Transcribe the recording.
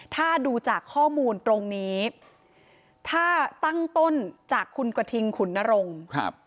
ถ้าดูจากข้อมูลตรงนี้ถ้าตั้งต้นจากคุณกระทิงขุนนรงค์ครับ